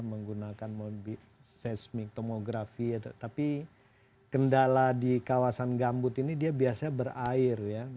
menggunakan seismik tomografi tapi kendala di kawasan gambut ini dia biasanya berair ya